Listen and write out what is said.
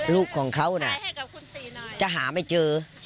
ลูกของเขาจะหาไม่เจอ